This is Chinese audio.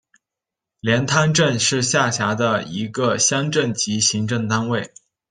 连滩镇是下辖的一个乡镇级行政单位。